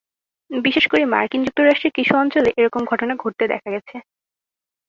বিশেষ করে মার্কিন যুক্তরাষ্ট্রের কিছু অঞ্চলে এরকম ঘটতে দেখা গেছে।